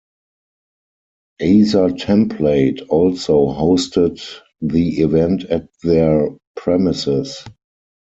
Azatemplate also hosted the event at their premises.